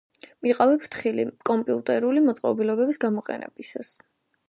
იყავი ფრთხილი კომპიუტერული მოწყობილობების გამოყენებისას